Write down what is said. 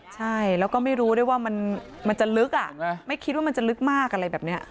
ใช่แล้วก็ไม่รู้ด้วยว่ามันจะลึกอ่ะไม่คิดว่ามันจะลึกมากอะไรแบบนี้